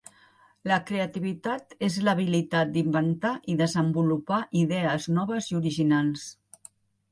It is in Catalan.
La creativitat és l'habilitat d'inventar i desenvolupar idees noves i originals.